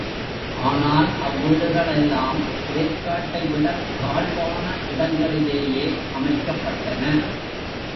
ஆனால் அவ் வீடுகளெல்லாம் ஏர்க்காட்டை விடத் தாழ்வான இடங்களிலேயே அமைக்கப்பட்டன.